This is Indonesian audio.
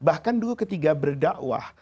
bahkan dulu ketika berdakwah